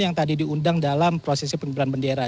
yang tadi diundang dalam prosesi pengibaran bendera